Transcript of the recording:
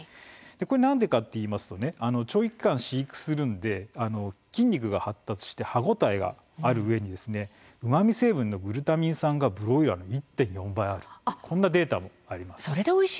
なぜかといいますと長期間、飼育するので筋肉が発達して歯応えがあるうえにうまみ成分のグルタミン酸がブロイラーの１．４倍あるというデータもあります。